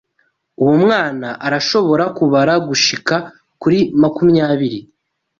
Uwo mwana arashobora kubara gushika kuri makumyabiri.